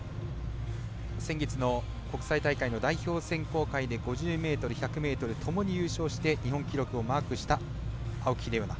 先月の国際大会の代表選考会で５０ｍ、１００ｍともに優勝して日本記録をマークした青木玲緒樹。